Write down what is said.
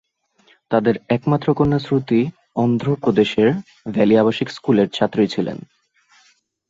তাদের একমাত্র কন্যা শ্রুতি অন্ধ্র প্রদেশের ভ্যালি আবাসিক স্কুলের ছাত্রী ছিলেন।